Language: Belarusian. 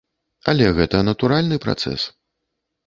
Але гэта натуральны працэс.